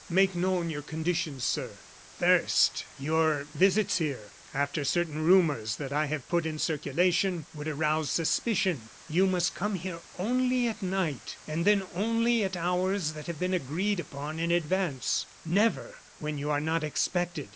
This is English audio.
"Make known your conditions, sir." "First, your visits here after certain rumors that I have put in circulation would arouse suspicion. You must come here only at night, and then only at hours that have been agreed upon in advance never when you are not expected."